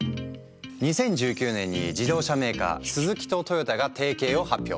２０１９年に自動車メーカースズキとトヨタが提携を発表。